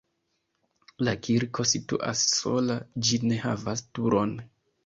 La kirko situas sola, ĝi ne havas turon.